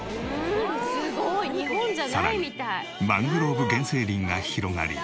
さらにマングローブ原生林が広がり